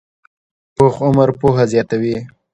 پوخ عمر پوهه زیاته وي